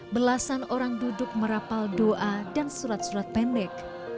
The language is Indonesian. belasan orang duduk merapal doa dan surat surat pendek